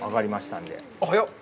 早っ。